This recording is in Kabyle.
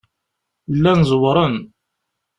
Llan zewṛen.